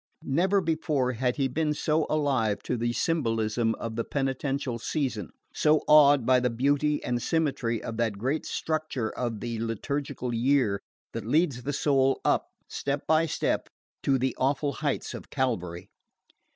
Never before had he been so alive to the symbolism of the penitential season, so awed by the beauty and symmetry of that great structure of the Liturgical Year that leads the soul up, step by step, to the awful heights of Calvary.